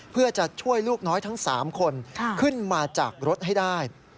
เพื่อจะช่วยลูกน้อยทั้ง๓คนขึ้นมาจากรถให้ได้